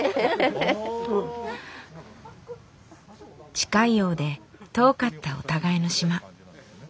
近いようで遠かったお互いの島。